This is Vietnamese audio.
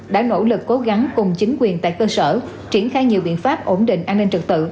đã nỗ lực cố gắng cùng chính quyền tại cơ sở triển khai nhiều biện pháp ổn định an ninh trật tự